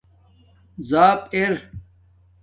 زاپ ار